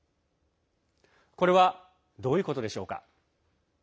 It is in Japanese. これはどういうことでしょうか。